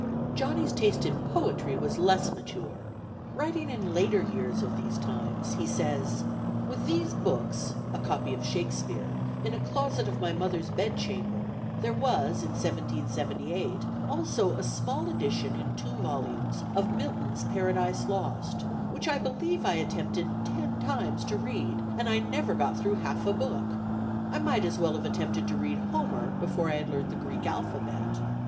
Johnny's taste in poetry was less mature. Writing in later years of these times, he says: "With these books (a copy of Shakespeare) in a closet of my mother's bedchamber, there was, (in 1778) also a small edition in two volumes of Milton's Paradise Lost, which I believe I attempted ten times to read, and never got through half a book. I might as well have attempted to read Homer before I had learned the Greek alphabet.